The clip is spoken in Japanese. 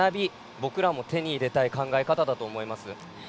僕らも手に入れたい考え方だと思います。